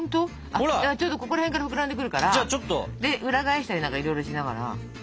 じゃあちょっとここら辺から膨らんでくるから裏返したりなんかいろいろしながら。